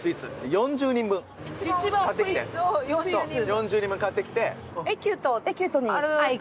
４０人分買ってきて。